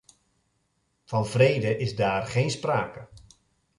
Van vrede is daar geen sprake.